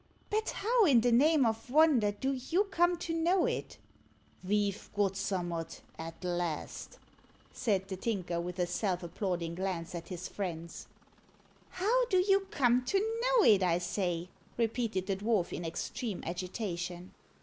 But how, in the name of wonder, do you come to know it?" "Ve've got summat, at last," said the Tinker, with a self applauding glance at his friends. "How do you come to know it, I say?" repeated the dwarf, in extreme agitation.